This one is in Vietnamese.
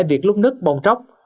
việc lúc nứt bông tróc